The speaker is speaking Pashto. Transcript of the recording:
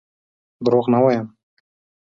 دروغ نه وایم.